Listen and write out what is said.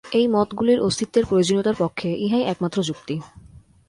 এই মতগুলির অস্তিত্বের প্রয়োজনীয়তার পক্ষে ইহাই একমাত্র যুক্তি।